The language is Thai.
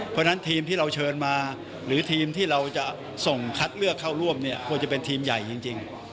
เพราะฉะนั้นทีมที่เราเชิญมาหรือทีมที่เราจะส่งคัดเลือกเข้าร่วมเนี่ยควรจะเป็นทีมใหญ่จริง